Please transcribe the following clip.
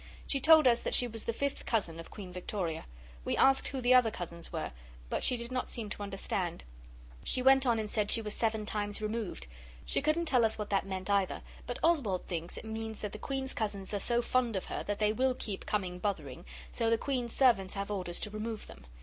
She told us that she was the fifth cousin of Queen Victoria. We asked who the other cousins were, but she did not seem to understand. She went on and said she was seven times removed. She couldn't tell us what that meant either, but Oswald thinks it means that the Queen's cousins are so fond of her that they will keep coming bothering, so the Queen's servants have orders to remove them.